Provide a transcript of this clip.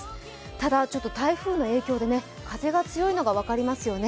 ただ、台風の影響で風が強いのが分かりますよね。